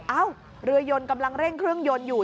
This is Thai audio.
เอ้าเรือยนกำลังเร่งเครื่องยนต์อยู่